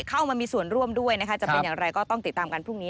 เข้ามามีส่วนร่วมด้วยนะคะจะเป็นอย่างไรก็ต้องติดตามกันพรุ่งนี้